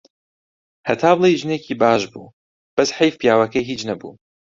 هەتا بڵێی ژنێکی باش بوو، بەس حەیف پیاوەکەی هیچ نەبوو.